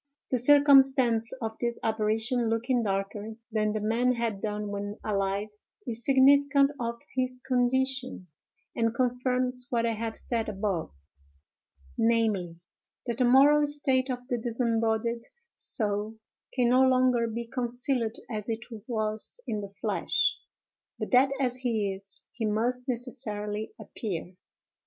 The circumstance of this apparition looking darker than the man had done when alive, is significant of his condition, and confirms what I have said above, namely, that the moral state of the disembodied soul can no longer be concealed as it was in the flesh, but that as he is, he must necessarily appear.